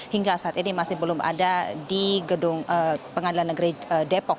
hingga saat ini masih belum ada di gedung pengadilan negeri depok